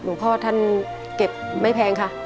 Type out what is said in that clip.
พ่อท่านเก็บไม่แพงค่ะ